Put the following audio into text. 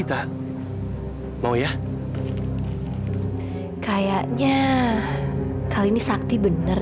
tapi bapak kan udah pulang